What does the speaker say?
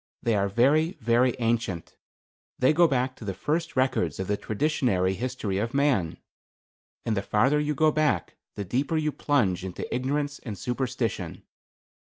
They are very, very ancient. They go back to the first records of the traditionary history of man. And the farther you go back the deeper you plunge into ignorance and superstition.